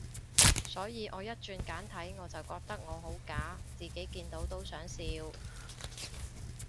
所以我一轉簡體，我就覺得我好假，自己見到都想笑